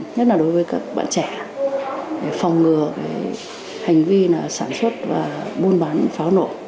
nhất là đối với các bạn trẻ để phòng ngừa hành vi sản xuất và buôn bán pháo nổ